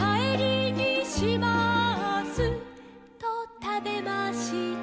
「たべました」